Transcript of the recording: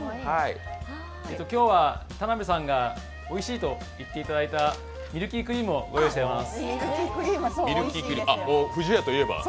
今日は田辺さんがおいしいと言っていただいたミルキー焼きをご用意しています。